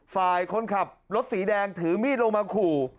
ฝ่ายคนขับรถสีแดงถือมีดลงมาขู่